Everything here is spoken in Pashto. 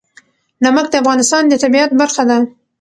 نمک د افغانستان د طبیعت برخه ده.